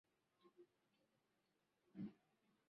kusini Vita ya wenyewe kwa wenyewe ya Marekani